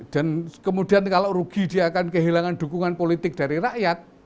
dan kemudian kalau rugi dia akan kehilangan dukungan politik dari rakyat